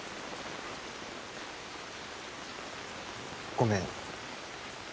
ごめん。